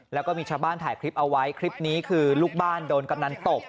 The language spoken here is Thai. แล้วก็มีชาวบ้านถ่ายคลิปเอาไว้คลิปนี้คือลูกบ้านโดนกำนันตบ